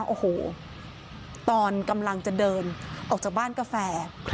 โอ้โหตอนกำลังจะเดินออกจากบ้านกาแฟ